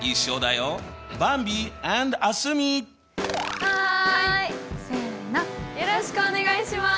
よろしくお願いします！